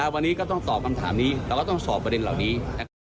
วันนี้ก็ต้องตอบคำถามนี้เราก็ต้องสอบประเด็นเหล่านี้